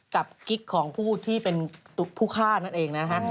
กิ๊กของผู้ที่เป็นผู้ฆ่านั่นเองนะฮะ